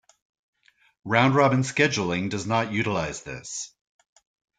Round-robin scheduling does not utilize this.